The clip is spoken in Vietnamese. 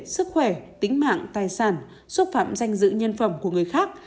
sức khỏe tính mạng tài sản xúc phạm danh dự nhân phẩm của người khác